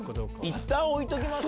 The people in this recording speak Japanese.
いったん置いときます？